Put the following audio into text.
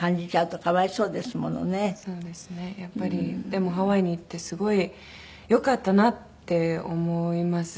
やっぱりでもハワイに行ってすごいよかったなって思いますし。